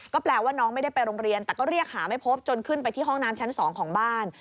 ก็แปลว่าน้องไม่ได้ไปโรงเรียนแต่ก็เรียกหาไม่พบจนขึ้นไปที่ห้องน้ำชั้น๒ของบ้าน